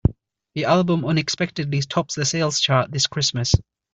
The album unexpectedly tops the sales chart this Christmas.